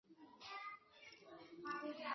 当选三峡庄协议员